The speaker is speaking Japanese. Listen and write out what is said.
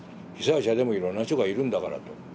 被災者でもいろんな人がいるんだからと。